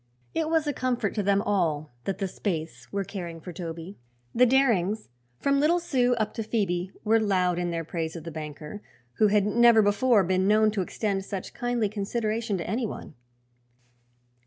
It was a comfort to them all that the Spaythes were caring for Toby. The Darings, from little Sue up to Phoebe, were loud in their praise of the banker, who had never before been known to extend such kindly consideration to anyone.